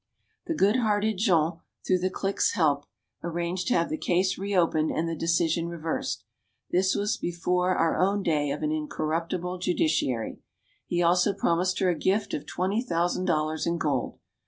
The good hearted Jean, through the clique's help, arranged to have the case reopened and the decision reversed. This was before our own day of an incor ruptible judiciary. He also promised her a gift of twenty thousand dollars in gold.